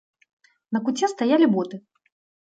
На куце стаялі боты.